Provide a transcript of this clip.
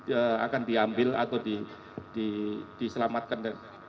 yang akan diambil atau diselamatkan